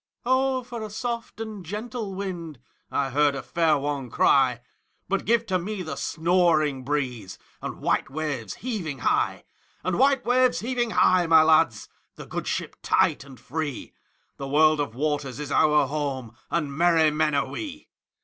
"O for a soft and gentle wind!"I heard a fair one cry:But give to me the snoring breezeAnd white waves heaving high; And white waves heaving high, my lads, The good ship tight and free—The world of waters is our home, And merry men are we.